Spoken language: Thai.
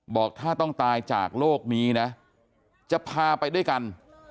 บอกถ้าต้องตายจากโลกนี้นะจะพาไปด้วยกัน